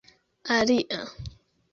alia